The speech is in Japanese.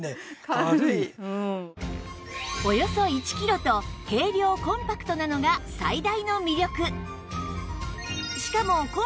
およそ１キロと軽量コンパクトなのが最大の魅力